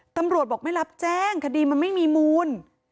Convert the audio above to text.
ตำรวจบอกไม่รับแจ้งคดีมันไม่มีมูล